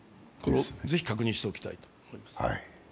ぜひ確認しておきたいと思います。